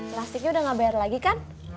plastiknya udah gak bayar lagi kan